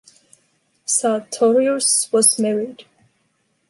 Sartorius, was married.